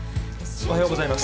おはようございます。